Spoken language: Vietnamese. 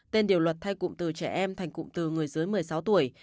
tên điều luật thay cụm từ trẻ em thành cụm từ người dưới một mươi sáu tuổi